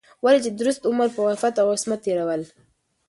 ولې چې درست عمر په عفت او عصمت تېرول